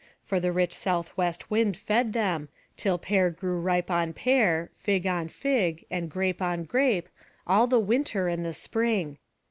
For the rich southwest wind fed them, till pear grew ripe on pear, fig on fig, and grape on grape, all the winter and the spring.